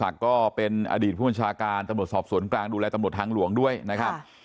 หลักก็เป็นอดีตผู้บัญชาการตำรวจสอบสวนกลางดูแลตำรวจทางหลวงด้วยนะครับ